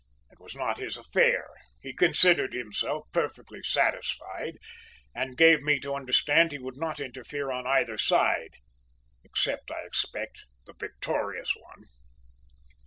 It was not his affair, he considered himself perfectly satisfied, and gave me to understand he would not interfere on either side, except, I expect, the victorious one!